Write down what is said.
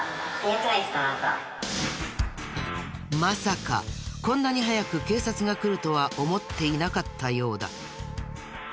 まさかこんなに早く警察が来るとは思っていなかったようだ。